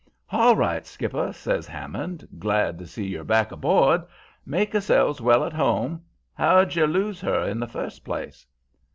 "'Hall right, skipper,' says Hammond; 'glad to see yer back haboard. Make yerselves well at 'ome. 'Ow d' yer lose er in the first place?'